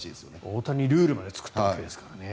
大谷ルールまで作ったわけですからね。